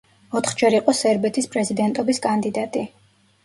ოთხჯერ იყო სერბეთის პრეზიდენტობის კანდიდატი.